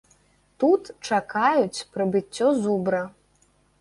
Тут чакаюць прыбыццё зубра.